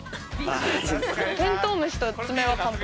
テントウムシと爪は完璧。